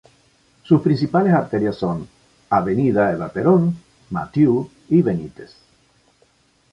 Sus principales arterias son: Avda. Eva Perón, Matheu y Benitez.